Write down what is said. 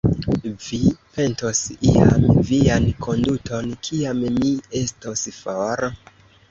Vi pentos iam vian konduton, kiam mi estos for!